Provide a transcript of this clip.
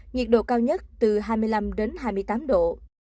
nhiệt độ cao nhất từ hai mươi năm đến hai mươi tám độ